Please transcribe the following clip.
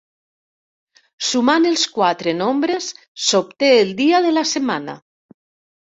Sumant els quatre nombres, s'obté el dia de la setmana.